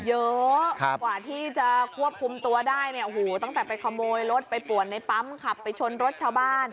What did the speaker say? เยอะกว่าที่จะควบคุมตัวได้เนี่ยโอ้โหตั้งแต่ไปขโมยรถไปป่วนในปั๊มขับไปชนรถชาวบ้าน